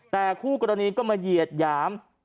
แต่คู่กรณีก็มาเหยียดหยาม